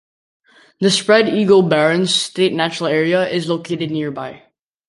The Spread Eagle Barrens State Natural Area is located nearby.